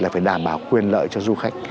là phải đảm bảo quyền lợi cho du khách